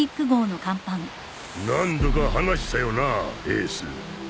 何度か話したよなエース。